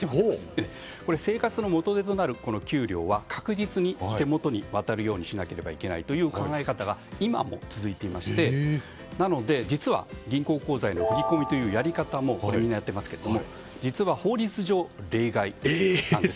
生活の元手となる給料は確実に手元に渡るようにしなければいけないという考え方が今も続いていましてなので、実は銀行口座への振り込みというやり方をみんなやっていますが実は法律上、例外なんです。